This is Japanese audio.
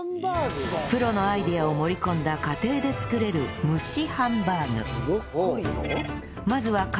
プロのアイデアを盛り込んだ家庭で作れる蒸しハンバーグ